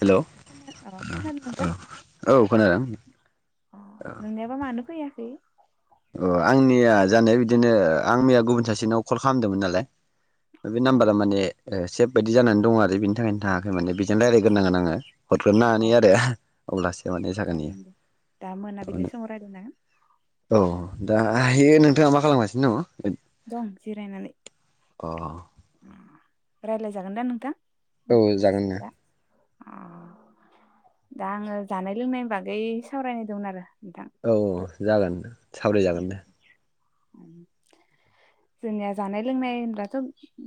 Hello, खोना अ खोनादों ओ नोंथां औ औ खोनादों। ओ खै? अ आंनिया जानाया बिदिनो आं मैया गुबुन सासेनाव कल खालामदोमोन नालाय बे अ नाम्बारा माने सेब बायदि जानानै दङ आरो बिनि थाखायनो थाङाखै माने बेजों रायजायग्रोनांगोन आङो। हरग्रोननानै अ आरो अब्लासो उम माने जागोन इयो। दे दा मोनाबिलि समाव रायज्लायना अ दाहायो नोंथाङा मा खालामगासिनो दङ? दं जिरायनानै। अ रायलाय जागोन दा नोंथां? औ जागोन ना। दा अ दा आङो जानाय लोंनायनि बागै सावरायनाय दोमोन आरो? औ औ जागोन। सावराय जागोन दे। जोंनिया जानाय लोंनाय होनब्लाथ'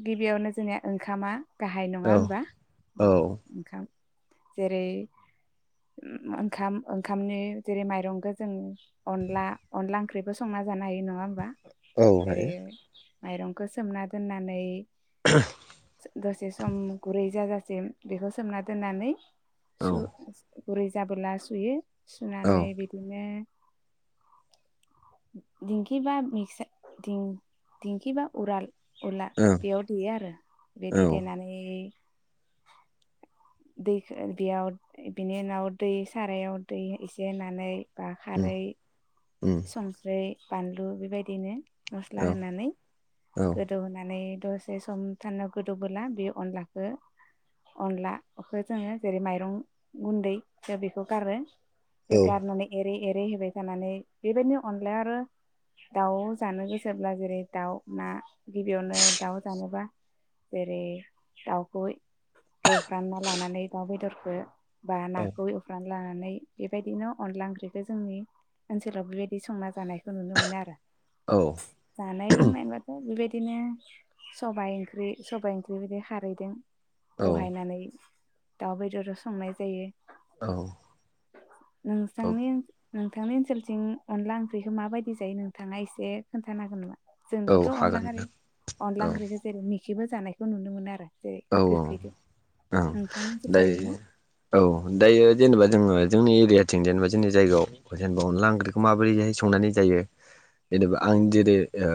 गिबियावनो जोंनिया ओंखामा गाहाय नङा औ होनबा? अ औ ओंखाम जेरै ओंखाम ओंखामनि जेरै माइरंखौ जों अनला, अनला ओंख्रिबो संना जानो हायो नङा होमबा? औ जेरै हायो माइरंखौ सोमना दोननानै दसे सम गुरै जाजा सिम बेखौ सोमना दोननानै औ सु गुरै जाबोला सुयो। औ ओं सुनानै बिदिनो दिंखि बा मिकसा दिं-दिंखि बा उराल उला औ बेयाव देयो आरो बिदि देनानै दैखौ बेयाव बिनि उनाव दै सारायाव दै एसे होनानै बा उम खारै उम संख्रि बानलु बेबायदिनो मस्ला औ होनानै औ गोदौ होनानै दसे सम [unintelligible] गोदौबोला बे अनलाखौ अनलाखौ जोङो जेरै माइरं गुन्दैखौ बेखौ गारो औ बे गारनानै एरै एर होबाय थानानै बेबायदि अनलाया आरो दाउ जानो गोसोब्ला जेरै दाउ ना गिबियावनो दाउ जानोब्ला जेरै दाउखौ एवफ्रामना लानानै दाउ बेदरखौ बा नाखौ एवफ्रान लानानै बेबायदिनो अनला ओंख्रिखौ जोंनि ओनसो बेबायदि संना जानाय नुनो मोनो आरो जानाय लोंनायबाथ बेबायदि बिदिनो सबाइ ओंख्रि सबाइ ओंख्रि बिदि खारैदों औ रहायनानै दाउ बेदराव संनाय जायो औ औ नोंसांनि नोंथांनि ओनसोलथिं अनला ओंख्रिखौ माबायदि जायो नोंथांङा एसे खोन्थानो हागोन नामा? जों औ थिथ अनला हागोन खारै अनला नोंथां ओंख्रिखौ जेरै मि इदिबो जानायखौ नुनो मोनो आरो जेरै औ गोखैजों औ ओं नोंथांनि ओनसोल जायोना? दायो औ दायो जेनेबा जोङो जोंनि एरियाथिं जेनेबा जोंनि जायगायाव जेनेबा अनला ओंख्रिखौ माबोरैहाय संनानै जायो जेनेबा आं जेरै ओ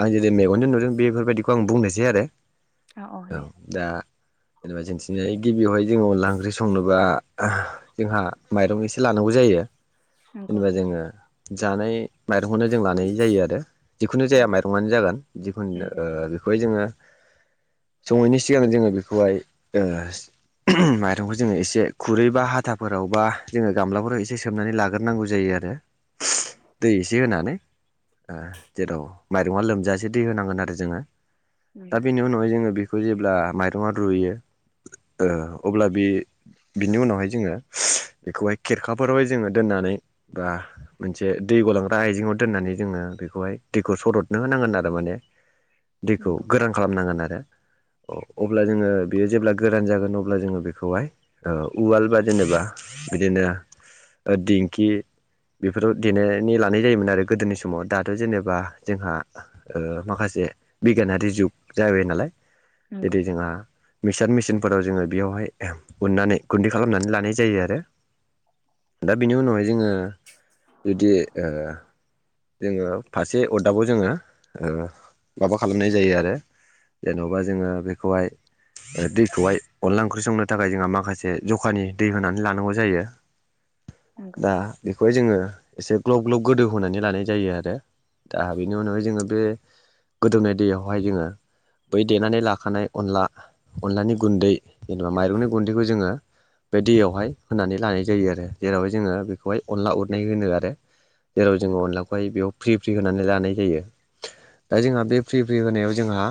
आं जेरै मेगनजों नुदों बेफोरबायदिखौ आं बुंनोसै आरो अ अ औ दे दा जेनेबा जोंनिथिंजाय गिबियावहाय जोङो अनला ओंख्रि संनोबा आ जोंहा माइरं एसे लानांगौ जायो नंगौ जेनेबा जोङो जानाय माइरंखौनो जों लानाय जायो आरो जिखुनु जाया नंगौ माइरंआनो जागोन जिखुनु नंगौ बेखौहाय जोङो सङैनि सिगां जोङो बेखौहाय ओ माइरंखौ जोङो एसे खुरै बा हाथाफोराव बा जोङो गामलाफोराव एसे सोमनानै लाग्रोनांगौ जायो आरो दै एसे होनानै जेराव माइरङा लोमजासे दै होनांगोन आरो जोङो दा नंगौ बेनि उनावहाय जोङो बे खौ जेब्ला माइरङा रुयो ओ अब्ला बे बिनि उनावहाय जोङो बेखौहाय खेरखाफोरावहाय जोङो दोननानै बा मोनसे दै गलांग्रा आइजेंआव दोननानै जोङो बेखौहाय दैखौ सरदनो होनांगोन आरो माने दैखौ नंगौ गोरान खालामनांगोन आरो [unintelligible] अब्ला जोङो बेयो जेब्ला गोरान जागोन अब्ला जोङो बेखौहाय ओ उवाल बा जेनेबा बिदिनो दिंखि बेफोराव देनानै लानाय जायोमोन आरो गोदोनि समाव दाथ' जेनेबा जोंहा ओ माखासे बिगियानारि जुग जाबाय नालाय नंगौ जेरै जोंहा मिक्सार मि [unintelligible] फोराव जोङो बेयावहाय उननानै गुन्दै खालामनानै लानाय जायो आरो दा बेनि उनावहाय जोङो जुदि ओ जोङो फासे अरदाबाव जोङो ओ माबा खालामनाय जायो आरो जेन'बा जोङो बेखौहाय दैखौहाय अनला ओंख्रि संनो थाखाय जोंहा माखासे जखानि दै होनानै लानांगौ जायो। नंगौ दा बेखौहाय जोङो एसे ग्लब ग्लब गोदौ होनोनानै लानाय जायो आरो दा बेनि उनावहाय जोङो बे गोदौनाय दैयावहाय जोङो। बै देनानै ला नाय अनला अनलानि गुन्दै जेनेबा माइरंनि गुन्दैखौ जोङो बे दैयावहाय होनानै लानाय जायो आरो जेरावहाय जोङो बेखौहाय अनला उरनाय होनो आरो जेराव जोङो नंगौ अनलाखौहाय बेयाव फ्रि फ्रि होनानै ला नाय जायो दा जोंहा बे फ्रि फ्रि होनायाव जोंहा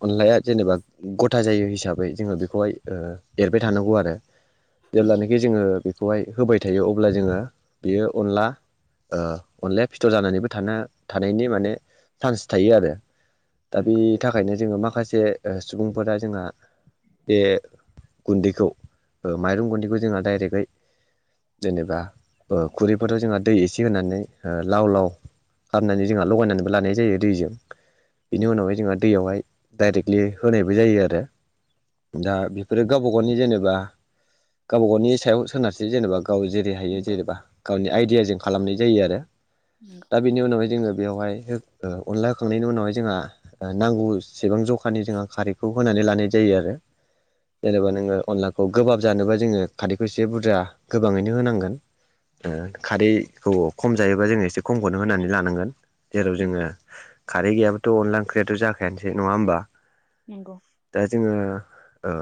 ओ अनलाया जेनेबा गथा जायो हिसाबै जोङो बे खौहाय ओ एरबाय थानांगौ आरो जेब्लानोखि जोङो बे बेखौहाय होबाय थायो अब्ला जोङो बियो अनला ओ अनलाया फिथर जानानैबो थानो थानायनि माने चान्स थायो आरो दा नंगौ बे थाखायनो जोङो मा जे सुबुंफोरा जोंना बे गुन्दैखौ ओ माइरं गुन्दैखौ जोंहा डाइरेक्टयै जेनेबा ओ खुरैफोराव जोंहा दै एसे होनानै लाव लाव खालामनानै जोंहा लगायनानैबो लानाय जायो दैजों बेनि उनावहाय जोंहा दैयावहाय डाइरेक्टलि होनायबो जायो आरो दा बेफोरो गावबा गावनि जेनेबा गावबा गावनि सायाव सोनारसै जेनेबा गाव जेरै हायो नंगौ जेनेबा गावनि आइडियाजों खालामनाय जायो आरो दा बेनि उनावहाय जोङो बेवहाय हो ओ अनला होखांनायनि उनावहाय जोंहा नांगौ सेबां जखानि जोंहा खारैखौ होनानै लानाय जायो आरो जेनेबा नोङो अनलाखौ गोबाब जानोबा जोङो खारैखौ एसे बुरजा गोबाङैनो होनांगोन खारैखौ खम जायोबा जोङो एसे खमखौनो होनानै लानांगोन जेराव जोङो नंगौ खारै गैयाबाथ' अनला ओंख्रियाथ' जाखायानोसै एसे नङा होमबा दा जोङो ओ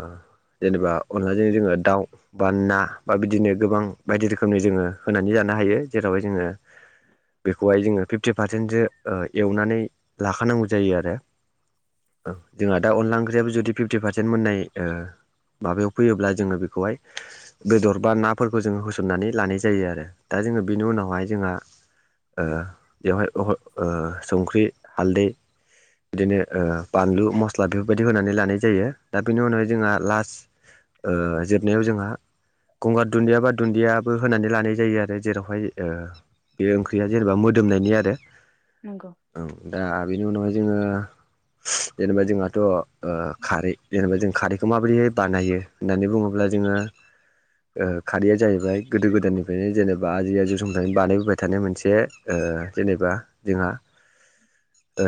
जेनेबा अनलाजों जोङो दाउ बा ना बा बिदिनो गोबां बायदि रोखोमनि जोङो होनानै जानो हायो जेरावहाय जोङो बेखौहाय जोङो फिफ्टि पारसेन्टसो एवनानै लाखानांगौ जायो आरो जोंहा दा अनला ओंख्रियाबो जुदि फिफ्टि पारसेन्ट मोननाय ओ माबायाव फैयोब्ला जोङो बेखौहाय बेदर बा नाफोरखौ जोङो होसननानै लानाय जायो आरो दा जोङो बेनि उनावहाय जोंहा ओ बेवहाय ओ संख्रि हालदै बिदिनो ओ बानलु मस्ला बेफोरबायदि होनानै लानाय जायो दा बेनि उनावाय जोंहा लास्ट ओ जोबनायाव जोंहा गंगार दुन्दिया बा दुन्दियाबो होनानै लानाय जायो आरो जेरावहाय ओ बे ओंख्रिया जेनेबा मोदोमनायनि आरो औ दा बिनि उनावहाय जोङो। जेनेबा जोंहाथ' ओ खारै जेनेबा जों खारैखौ माबोरैहाय बानायो होननानै बुङोब्ला जोङो ओ खारैया जाहैबाय गोदो गोदायनिफ्रायनो जेनेबा आजै आजौ समनिफ्रायनो बानायबोबाय थानाय मोनसे जेनेबा जोंहा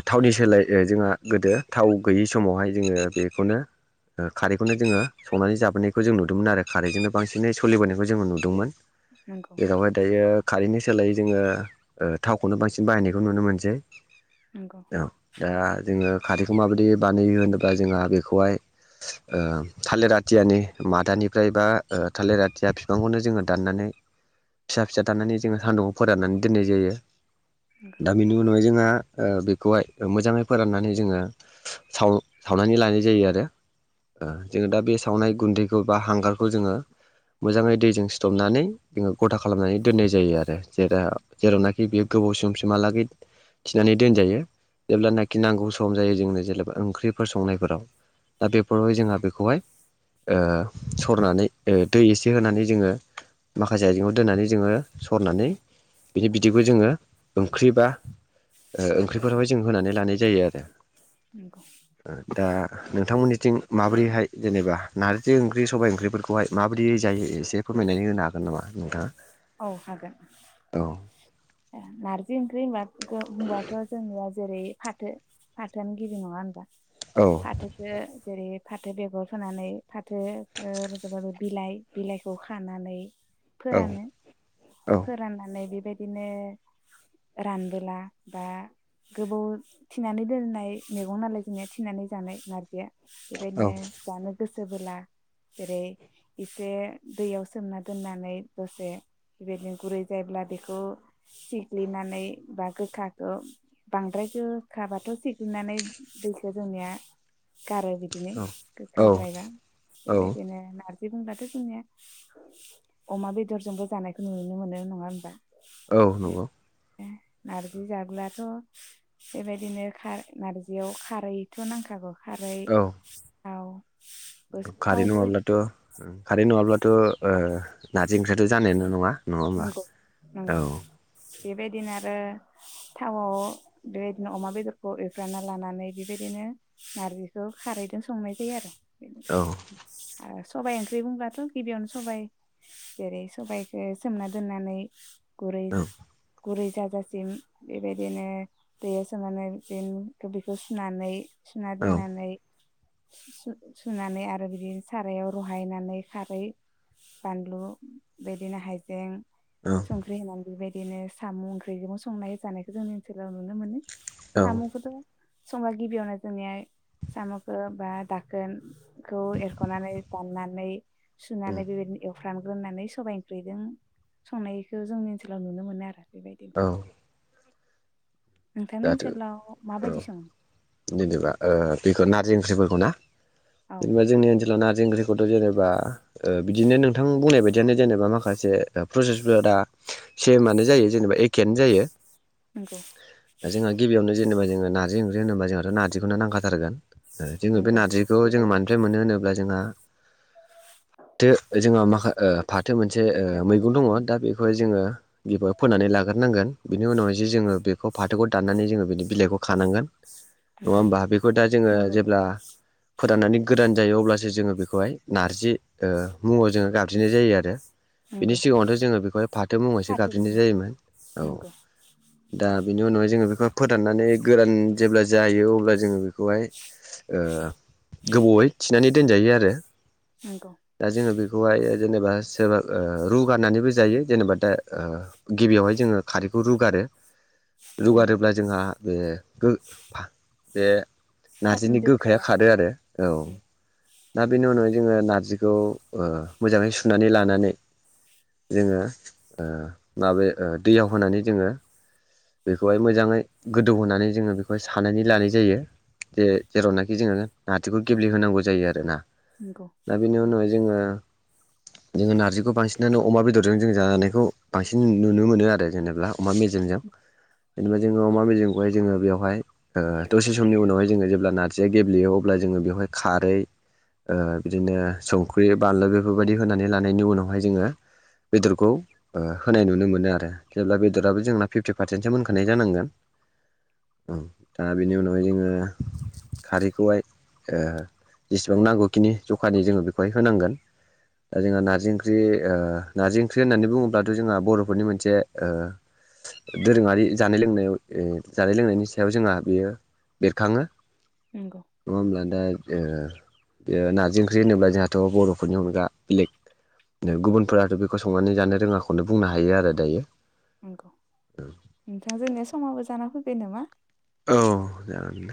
थावनि सोलाय जोंहा गोदो थाव गैयै समावहाय जोङो बेखौनो खारैखौनो जोङो संनानै जाबोनायखौ जों नुदोंमोन आरो खारैजोंनो बांसिनै सोलिबोनायखौ जोंङो नुदोंमोन। नंगौ जेरावहाय दायो खारैनि सोलाय जोङो ओ थावखौनो बांसिन बाहायनायखौ नुनो मोनसै। नंगौ। औ दा जोङो खारैखौ माबायदि बानायो होनोबा जोंहा बेखौहाय ओ थालिर आथियानि मादानिफ्राय बा थालिरखौ ओ थालिर बिफांखौनो जोङो दाननानै फिसा फिसाऔ दाननानै जोङो सान्दुङाव फोराननानै दोननाय जायो। दा बेनि उनावहाय जोंहा ओ बेखौहाय मोजाङै फोराननानै जोङो साव सावनानै लानाय जायो आरो जोङो दा बे सावनाय गुन्दैखौ बा हांगारखौ जोङो मोजाङै दैजों सिथबनानै जोङो गथा खालामनानै दोननाय जायो आरो जेर जेरावनाखि बेयो गोबाव समसिमहालागै थिनानै दोनजायो। जेब्लानाखि नांगौ सम जायो जोंनो जेनेबा ओंख्रिफोर संनायफोराव दा बेफोरावहाय जोंहा बेखौहाय ओ सरनानै दै एसे होनानै जोङो माखासे आइजेङाव दोननानै जोङो सरनानै बिनि बिदिखौ जोङो ओंख्रिबा ओंख्रिफोरावहाय जों होनानै लानाय जायो आरो नंगौ दा [inaudible] नोंथांमोननिथिं माबोरैहाय जेनेबा नारजि ओंख्रि सबाइ ओंख्रिफोरखौहाय माबोरै जायो एसे फोरमायनानै होनो हागोन नामा नोंथाङा? औ हागोन औ नारजि ओंख्रि होनबा होनबाथ' जेनेबा जेरै फाथो फाथोआनो गिबि नङा होनबा औ फाथोखो जेरे फाथो बेगर फोनानै फाथो ओ र'जबा बिलाइ बिलाइखौ खानानै औ फोरानो फोराननानै बेबायदिनो रानबोला बा गोबाव थिनानै दोननाय मैगं नालाय जोंनिया थिनानै जानाय नारजिया बे औ बायदिनो जानो गोसो बोला जेरै एसे दैयाव सोमना दोननानै दसे बेबायदिनो गुरै जायोब्ला बेखौ सिग्लिनानै बा गोखाखौ बांद्राय गोखाबाथाय सिग्लिनानै दैखौ जोंनिया गारो बिदिनो औ गोखाद्रायबा औ बेबायदिनो नारजि बुंब्लााथ' जोंनिया अमा बेदरजोंबो जानायखौ नुनो मोनो नङा होनबा? औ नंगौ नारजि जाब्लाथ' बेबायदिनो खा नारजियाव खारैथ' नांखागौ। खारै औ थावबो खारै थावबो नङाब्लाथ' खारै नङाब्लाथ'‌ओ नारजि ओंख्रियाथ जानायानो नङा नङा होमबा नांगौ औ नांगौ बेबायदिनो आरो थावआव बेबायदिनो अमा बेदरखौ एफ्रानना लानानै बेबायदिनो नारजिखौ खारैजों संनाय जायो आरो औ [unintelligible] सबायाइ ओंख्रि बुंब्लाथ गिबियावनो सबबाय जेरै सबाइखौ सोमना दोननानै गुरै औ गुरै जाजासिम बेबायदिनो दैयाव सोमनानै बिनो बेखौ सुनानै औ सुनादोननानै सुनानै आरो बिदिनो सारायाव रहायनानै खारै बानलु बिदिनो हाय बें औ संख्रि होनानै बे बाय बिदिनो साम ओंख्रिजों संनाय जानायखौ जोंनि ओनसोलाव नुनो मोनो औ सामुखौथ संबा गिबियावनो जोंनिया सामखौ बा दाखोनखौ एरखनानै दाननानै उम सुनानै बेबायदिनो रानग्रोनानै सबाइ ओंख्रि दों संनायखौ जोंनि ओनसोलाव नुनो मोनो आरो बेबायदिन औ दाथ माबायदि सङो औ जेनेबा ओ बेखौ नारजि ओंख्रि [unintelligible] औ जेनेबा जोंनि ओनसोल नारजि ओंख्रिखौथ जेनेबा ओ बिदिनो नोंथां बुंनाय बायदि बिदिनो जेनेबा माखासे ओ प्रसेसफोरा दा सेमानो जायो जेनेबा एखेआनो जायो। [inaudible] जोंहा गिबियावनो जेनबा जोंङो नारजि ओंख्रि होनोबा जोंहाथ' नारजिखौनो नांखाथारगोन। जोंङो बे नंगौ नारजिखौ जोंङो बेबायदिनोसो मानिफ्राय मोनो होनोब्ला जोंहा। दो जोंहा माखा ओ। फाथो मोनसे ओ फाथो औ मैगं दङ नंगौ दा बेखौहाय जोंङो गब फोनानै लाग्रोनांगोन बिनि उनावहाय जे जोङो बे। खौ फाथोग दाननानै जोंङो बिदि बिलाइखौ खानांगोन। नङा नंगौ होमबा बेखौ दा जोंङो नंगौ जेब्ला। फोदाननानै गोदान जायो अब्लासो जोंङो बेखौहाय नारजि ओ मुंङाव जोंङो गाबज्रिनाय जायो आरो। बिनि नंगौ सिगाङावथ' जोङो बेखौहाय फाथो मुंयैसो फाथो गाबज्रिनाय बुङो जायोमोन औ नंगौ दा बेनि उनाव जोङो बेखौहाय फोराननानै गोरान जेब्ला जायो अब्ला जोङो बेखौहाय ओ गोबावहाय थि नानै दोनजायो आरो। नंगौ दा जोङो बेखौहाय ओ जेनेबा सोरबा ओ रुगारनानैबो जायो जेनेबा दा ओ गिबियावहाय जोङो खारैखौ रुगारो। नंगौ रुगारोब्ला जोंहा बे गो फा बे नारजिनि गोखाया खारो आरो। औ दा बेनि उनाव जोङो नारजिखौ ओ मोजाङै सुनानै लानानै जोङो ओ माबायाव ओ दैयाव होनानै जोङो बेखौहाय मोजाङै गोदौ होनोनानै जोङो बेखौहाय सानानै लानाय जायो जे जेरावनाखि जोङो नारजिखौ गेब्लेहोनांगौ जायो आरोना। नंगौ दा बेनि नंगौ उनावहाय जोङो। जोङो नार्जिखौ बांसिनानो अमा बेदरजों जों जानायखौ बांसिन नुनो मोनो आरो जेनेबा अमा मेजेमजों। जेनेबा जोङो अमा मेजिखौहाय जोङो बेवहाय ओ दसे समनि उनावहाय जोङो जेब्ला नारजिया गेब्लेयो अब्ला जोङो बेवहाय खारै ओ बिदिनो संख्रि बानलु बेफोरबायदि होनानै लानायनि उनावहाय जोङो बेदरखौ ओ होनाय नुनो मोनो आरो जेब्ला बेदराबो जोंना फिफ्टि पारसेन्टसो मोनखा नाय जानांगोन उम दा बेनि उनावहाय जोङो खारैखौहाय ओ जेसेबां नांगौखिनि जखानि जोङो बेखौहाय होनांगोन ओ जोंङो नार्जि ओंख्रि ओ नार्जि ओंख्रि होननानै बुङोब्लाथ' जोंहा बर'फोरनि मोनसे ओ दोरोङारि जानाय लोंनायाव ओ जानाय लोंनायनि सायाव जोंहा बेयो बेरखाङो। नंगौ नङा होनब्ला दा ओ बेयो नारजि ओंख्रि होनोब्ला जोंहाथ' बर'फोरनि अनगा बेलेग गुबुनफोराथ' बेखौ संनानै जानो रोङाखौनो बुंनो हायो आरो दायो। नंगौ। [inaudible] दा जोङो समाबो जाना फैबाय नामा? औ जागोन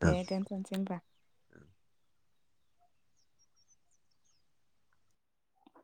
दे ओं। दोनथ'नोसै होनबा